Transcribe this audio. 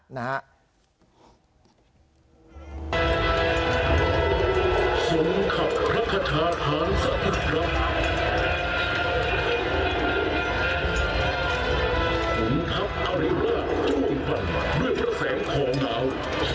หุ่นทัพอาริราชจ้วงปั่นด้วยเพราะแสงของนาว